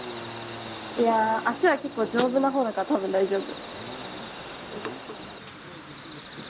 いや足は結構丈夫なほうだから多分大丈夫。